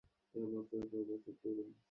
তিনি খুব দুঃখিত হলেন।